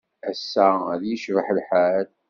Ass-a ad yecbeḥ lḥal.